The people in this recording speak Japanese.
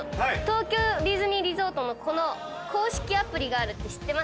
東京ディズニーリゾートのこの公式アプリがあるって知ってますか？